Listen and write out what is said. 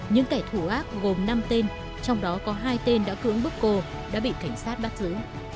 những kẻ thủ ác gồm năm tên trong đó có hai tên đã cưỡng bức cô đã bị cảnh sát bắt giữ